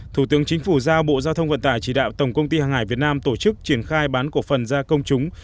thủ tướng chính phủ giao bộ giao thông vận tải chỉ đạo tổng công ty hàng hải việt nam tổ chức triển khai bán cổ phần ra công chúng